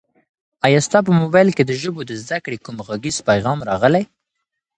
ایا ستا په موبایل کي د ژبو د زده کړې کوم غږیز پیغام راغلی؟